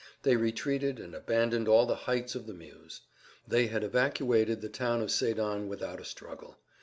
They retreated and abandoned all the heights of the Meuse. They had evacuated the town of Sédan without a struggle.